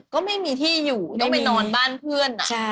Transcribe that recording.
ก็ไม่มีที่อยู่ต้องไปนอนบ้านเพื่อน